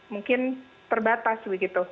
mungkin terbatas begitu